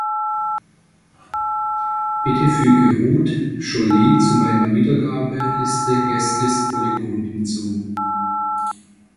Bitte füge Ruud Jolie zu meiner Wiedergabeliste Guest List Polygon hinzu